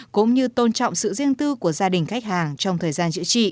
cũng như tôn trọng sự riêng tư của gia đình khách hàng trong thời gian chữa trị